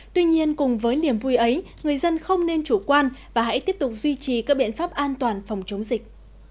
tuy nhiên cùng với niềm vui ấy người dân không nên chủ quan và hãy tiếp tục duy trì các biện pháp an toàn phòng chống dịch